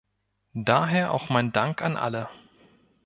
Daher auch mein Dank an alle.